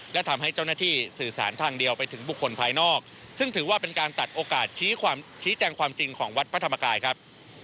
และทำให้เจ้าหน้าที่สื่อสารทางเดียวไปถึงบุคคลภายนอกซึ่งถือว่าเป็นการตัดโอกาสชี้แจงความจริงของวัดพระธรรมกายครับ